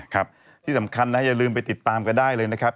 ครับที่สำคัญนะอย่าลืมไปติดตามกันได้เลยนะครับ